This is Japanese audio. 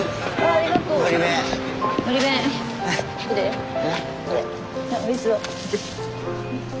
あおいしそう。